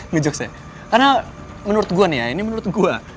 nge jokes ya karena menurut gue nih ya ini menurut gue